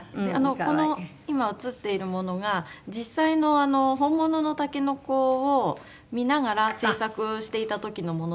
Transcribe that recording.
この今映っているものが実際の本物のタケノコを見ながら制作していた時のものなんですけど。